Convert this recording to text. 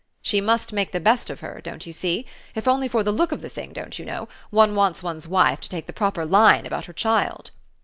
"She must make the best of her, don't you see? If only for the look of the thing, don't you know? one wants one's wife to take the proper line about her child."